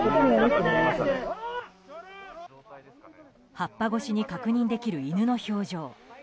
葉っぱ越しに確認できる犬の表情。